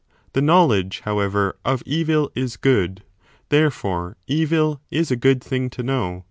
The knowledge, however, of evil is good : 3 therefore evil is a good thing to know.